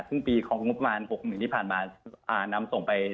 สึ่งปีแรกที่ผ่านมา